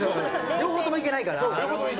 両方ともいけないから。